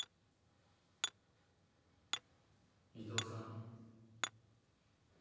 伊藤さん。